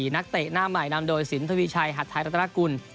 นักเตะหน้าใหม่นำโดยสินทวีชัยหัดไทยรัฐนากุล